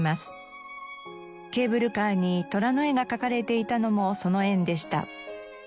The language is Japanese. ケーブルカーに寅の絵が描かれていたのもその縁でした。